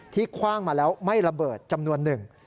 คว่างมาแล้วไม่ระเบิดจำนวนหนึ่ง